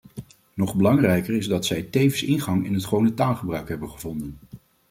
Nog belangrijker is dat zij tevens ingang in het gewone taalgebruik hebben gevonden.